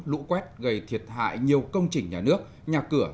lũ quét gây thiệt hại nhiều công trình nhà nước nhà cửa